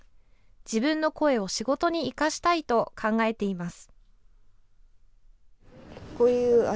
自分の声を仕事に生かしたいと考えています。